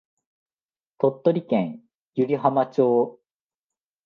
鳥取県湯梨浜町